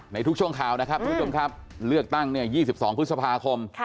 ในทุกช่วงข่าวนะครับเพื่อนผู้ชมเลือกตั้ง๒๒พฤษภาคม